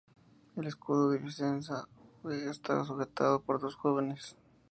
El escudo de Vicenza está sujetado por dos jóvenes.